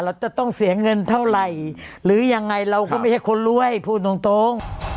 เราจะต้องเสียเงินเท่าไหร่หรือยังไงเราก็ไม่ใช่คนรวยพูดตรง